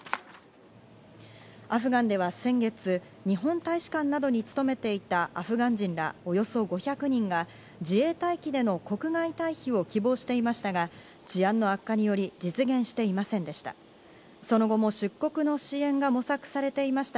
アフガンでは先月、日本大使館などに勤めていたアフガン人ら、およそ５００人が自衛隊機での国外退避を希望していましたが、治安の悪化により実現していませんでした。